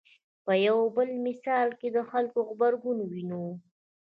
په یو بل مثال کې د خلکو غبرګون وینو.